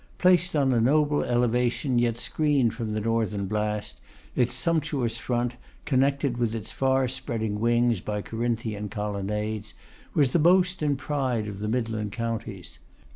Placed on a noble elevation, yet screened from the northern blast, its sumptuous front, connected with its far spreading wings by Corinthian colonnades, was the boast and pride of the midland counties.